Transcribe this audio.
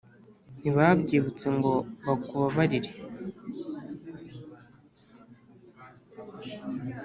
ntibabyibutse ngo bakubabarire .